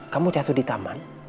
kamu jatuh di taman